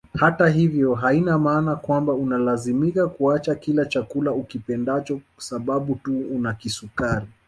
Hata hivyo haina maana kwamba unalazimika kuacha kila chakula ukipendacho sababu tu una kisukari